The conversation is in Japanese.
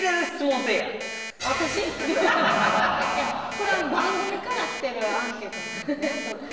これ番組からきてるアンケートなのでねちょっと。